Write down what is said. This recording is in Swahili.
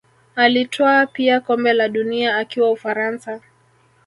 Alitwaa pia kombe la dunia akiwa Ufaransa